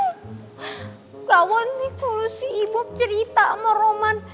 gak mau nanti kalau si ibu cerita sama roman